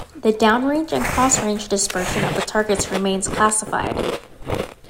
The downrange and crossrange dispersion of the targets remains classified.